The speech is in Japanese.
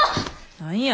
何や。